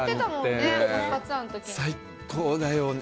最高だよね！